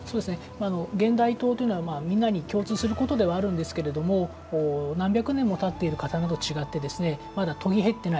現代刀というのはみんなに共通することではあるんですが何百年もたっている刀とは違ってまだ、研ぎへっていない。